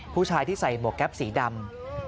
ผู้ชายที่ใส่หมวกแก๊ปสีดำ